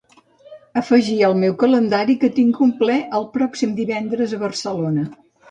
Afegir al meu calendari que tinc un ple el pròxim divendres a Barcelona.